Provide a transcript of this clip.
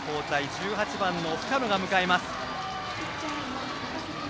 １８番の深野が向かいます。